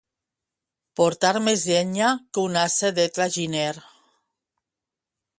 Portar més llenya que un ase de traginer.